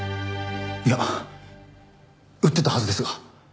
いや打ってたはずですが。